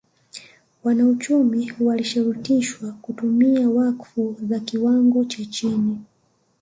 Wanauchumi walishurutishwa kutumia wakfu za kiwango cha chini